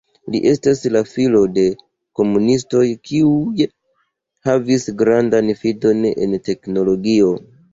Li estas la filo de komunistoj kiuj havis grandan fidon en teknologio.